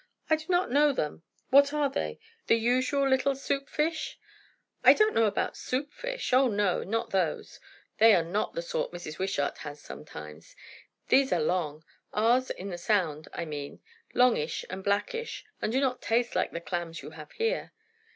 I do not know them. What are they? the usual little soup fish?" "I don't know about soup fish. O no! not those; they are not the sort Mrs. Wishart has sometimes. These are long; ours in the Sound, I mean; longish and blackish; and do not taste like the clams you have here."